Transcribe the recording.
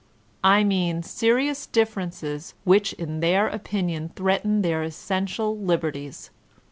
I mean serious which in their opinion threaten their essential liberties.